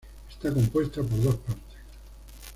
Está compuesta por dos partes.